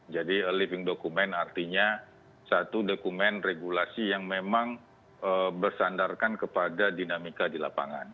jadi a living document artinya satu dokumen regulasi yang memang bersandarkan kepada dinamika di lapangan